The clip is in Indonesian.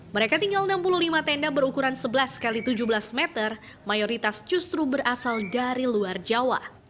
mereka tinggal enam puluh lima tenda berukuran sebelas x tujuh belas meter mayoritas justru berasal dari luar jawa